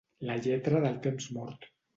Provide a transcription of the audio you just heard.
La lletra del temps mort.